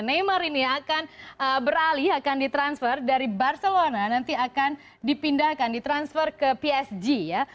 neymar ini akan beralih akan ditransfer dari barcelona nanti akan dipindahkan ditransfer ke psg ya